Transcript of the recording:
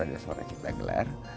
radio suara ciptagelar